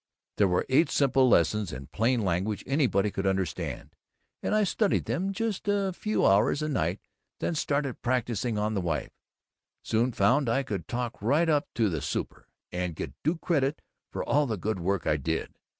There were eight simple lessons in plain language anybody could understand, and I studied them just a few hours a night, then started practising on the wife. Soon found I could talk right up to the Super and get due credit for all the good work I did.